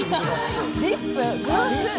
リップ！